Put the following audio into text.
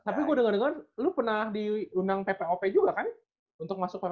tapi gue denger dengar lo pernah diundang ppop juga kan untuk masuk ppop ya